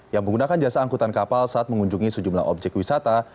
yang menggunakan jasa angkutan kapal saat mengunjungi sejumlah objek wisata